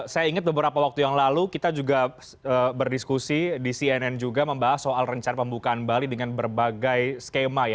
saya ingat beberapa waktu yang lalu kita juga berdiskusi di cnn juga membahas soal rencana pembukaan bali dengan berbagai skema ya